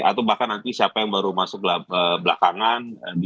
atau bahkan nanti siapa yang baru masuk belakangan